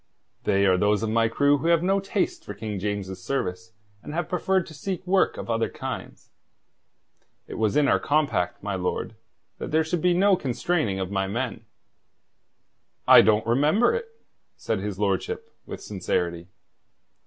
"They are those of my crew who have no taste for King James's service, and have preferred to seek work of other kinds. It was in our compact, my lord, that there should be no constraining of my men." "I don't remember it," said his lordship, with sincerity.